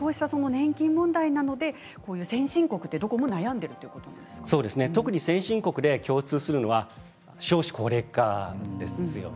年金問題などは先進国はどこも特に先進国で共通するのは少子高齢化ですよね。